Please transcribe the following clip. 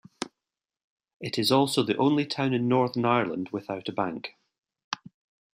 It is also the only town in Northern Ireland without a bank.